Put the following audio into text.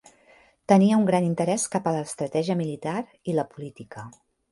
Tenia un gran interès cap a l'estratègia militar i la política.